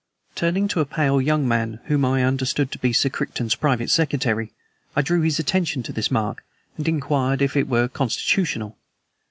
Turning to a pale young man whom I had understood to be Sir Crichton's private secretary, I drew his attention to this mark, and inquired if it were constitutional.